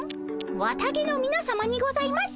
綿毛のみなさまにございます。